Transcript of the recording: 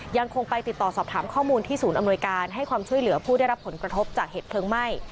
ยังคงไปติดต่อสอบถามข้อมูลที่ศูนย์อำนวยการให้ความช่วยเหลือผู้ได้รับผลกระทบจากเหตุเพลิงไหม้